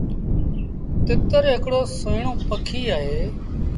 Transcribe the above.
تتر هڪڙو سُهيٚڻون پکي اهي۔